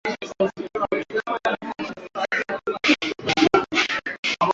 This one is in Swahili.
Ugonjwa wa mapele ya ngozi husababishwa na kuingiza wanyama wapya kwenye kundi